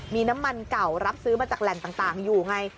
มีน้ำมันเก่ารับซื้อมาจากแหล่งต่างอยู่ไง